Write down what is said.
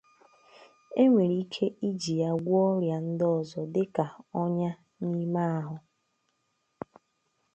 Enwere ike iji ya gwọọ ọrịa ndịọzọ dịka ọnya n'ime ahụ.